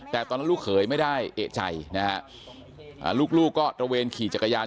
แต่ตอนนั้นลูกเขยไม่ได้เอกใจนะฮะลูกก็ตระเวนขี่จักรยาน